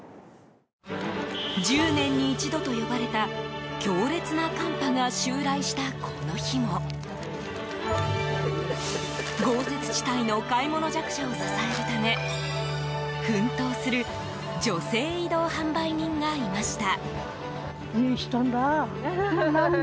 １０年に一度と呼ばれた強烈な寒波が襲来したこの日も豪雪地帯の買い物弱者を支えるため奮闘する女性移動販売人がいました。